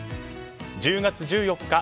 １０月１４日